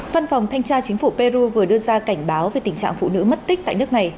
văn phòng thanh tra chính phủ peru vừa đưa ra cảnh báo về tình trạng phụ nữ mất tích tại nước này